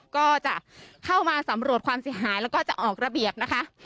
ก็จะเข้ามาสำรวจความเสียหายแล้วก็จะออกระเบียบนะคะ